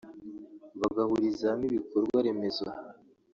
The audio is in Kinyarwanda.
bagahuriza hamwe ibikorwa remezo